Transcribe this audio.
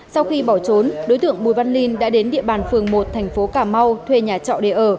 sau khi bỏ trốn đối tượng bùi văn linh đã đến địa bàn phường một thành phố cà mau thuê nhà trọ để ở